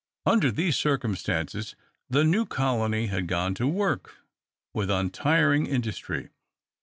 Under these circumstances, the new colony had gone to work with untiring industry.